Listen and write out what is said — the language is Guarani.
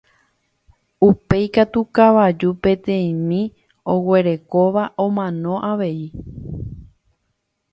Upéi katu kavaju peteĩmi oguerekóva omano avei